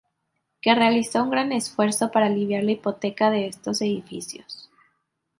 Que realizó un gran esfuerzo para aliviar la hipoteca de estos edificios.